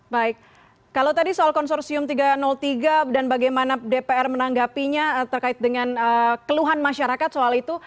baik kalau tadi soal konsorsium tiga ratus tiga dan bagaimana dpr menanggapinya terkait dengan keluhan masyarakat soal itu